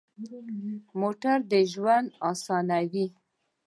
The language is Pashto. موټر د ژوند اسانوي.